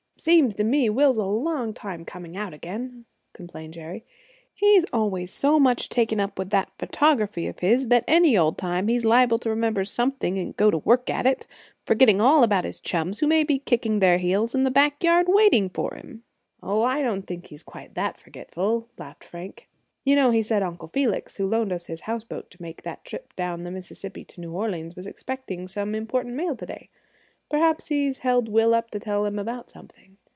"Seems to me Will's a long time coming out again," complained Jerry. "He's always so much taken up with that photography of his that any old time he's liable to remember something and go to work at it, forgetting all about his chums, who may be kicking their heels in the back yard waiting for him." "Oh, I don't think he's quite that forgetful!" laughed Frank. "You know he said Uncle Felix, who loaned us his houseboat to make that trip down the Mississippi to New Orleans, was expecting some important mail to day. Perhaps he's held Will up to tell him about something.